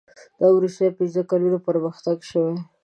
دا وروستي پنځه کلونه پرمختګ شوی.